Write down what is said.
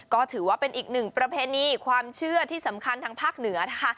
ก็ถือว่าเป็นอีกหนึ่งประเพณีความเชื่อที่สำคัญทางภาคเหนือนะคะ